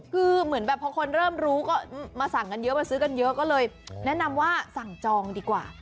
คือเหมือนแบบพอคนเริ่มรู้ก็มาสั่งกันเยอะมาซื้อกันเยอะก็เลยแนะนำว่าสั่งจองดีกว่า